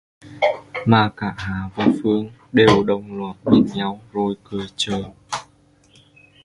Mà cả Hạ và Phương đều đồng loạt nhìn nhau rồi cười chờ